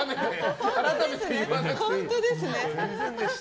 本当ですね。